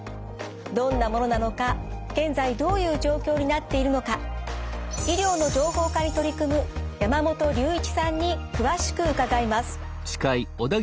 どんなものなのか現在どういう状況になっているのか医療の情報化に取り組む山本隆一さんに詳しく伺います。